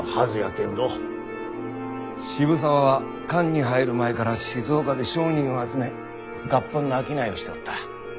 渋沢は官に入る前から静岡で商人を集め合本の商いをしておった。